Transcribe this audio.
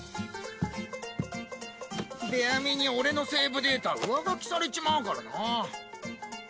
ベア美に俺のセーブデータ上書きされちまうからな。